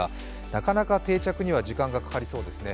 なかなか定着には時間がかかりそうですね。